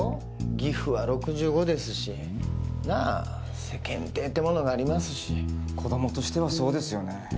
義父は６５ですしなぁ世間体ってものがありますし子どもとしてはそうですよね